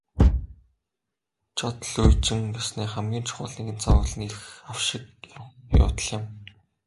Жод лүйжин ёсны хамгийн чухал нэгэн зан үйл нь эрх авшиг авах явдал юм.